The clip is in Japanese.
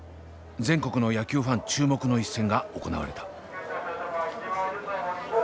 全国の野球ファン注目の一戦が行われた。